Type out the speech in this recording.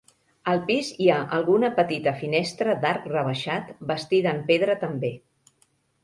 Al pis hi ha alguna petita finestra d'arc rebaixat bastida en pedra també.